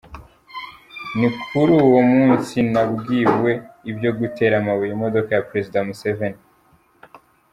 Ni kuri uwo munsi nabwiwe ibyo gutera amabuye imodoka ya Perezida Museveni.